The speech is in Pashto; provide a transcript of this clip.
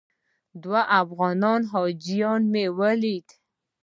دوه افغان حاجیان مې ولیدل.